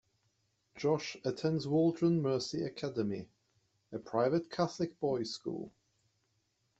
Josh attends Waldron Mercy Academy, a private Catholic boys' school.